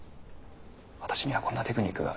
「私にはこんなテクニックがある」